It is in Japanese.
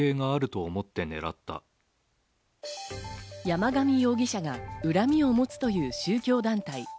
山上容疑者が恨みを持つという宗教団体。